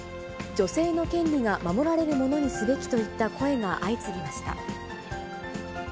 女性の権利が守られるものにすべきといった声が相次ぎました。